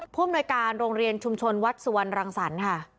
อำนวยการโรงเรียนชุมชนวัดสุวรรณรังสรรค์ค่ะ